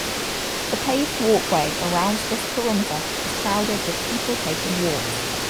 The paved walkway around this perimeter is crowded with people taking walks.